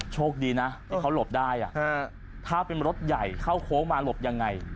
โชคดีนะที่เขาหลบได้ถ้าเป็นรถใหญ่เข้าโค้งมาหลบยังไง